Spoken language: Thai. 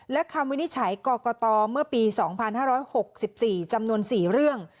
และคำวินิจฉัยกรกตเมื่อปี๒๕๖๔จำนวน๔เรื่อง